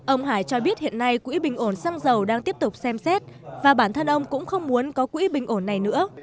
ông hải cho biết hiện nay quỹ bình ổn xăng dầu đang tiếp tục xem xét và bản thân ông cũng không muốn có quỹ bình ổn này nữa